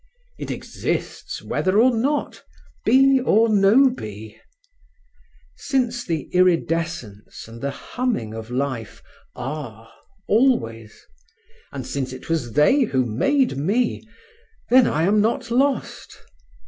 It exists whether or not, bee or no bee. Since the iridescence and the humming of life are always, and since it was they who made me, then I am not lost.